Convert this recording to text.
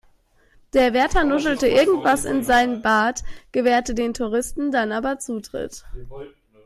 Der Wärter nuschelte irgendwas in seinen Bart, gewährte den Touristen dann aber Zutritt.